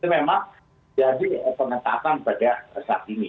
karena jadi pengetahuan pada saat ini